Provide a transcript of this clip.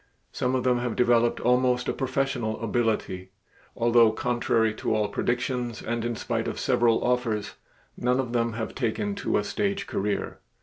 Some of them have developed almost a professional ability, although contrary to all predictions and in spite of several offers, none of them have taken to a stage career.